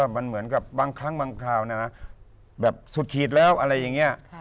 มันเหมือนกับบางครั้งบางคราวแบบสุดขีดแล้วอะไรอย่างนี้